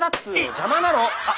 邪魔なの。